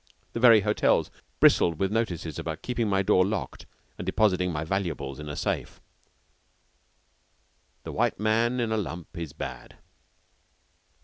The very hotels bristled with notices about keeping my door locked and depositing my valuables in a safe. The white man in a lump is bad.